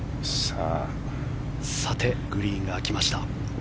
さて、グリーンが空きました。